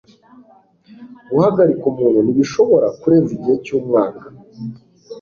guhagarika umuntu ntibishobora kurenza igihe cy'umwaka